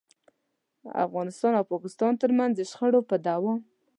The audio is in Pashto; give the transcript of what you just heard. افغانستان او پاکستان ترمنځ د شخړو په دوام.